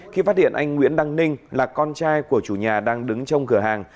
khi phát hiện anh nguyễn đăng ninh là con trai của chủ nhà đang đứng trong cửa hàng